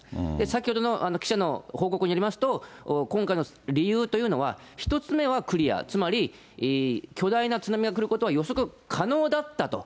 先ほどの記者の報告によりますと、今回の理由というのは、つまり、巨大な津波が来ることは予測可能だったと。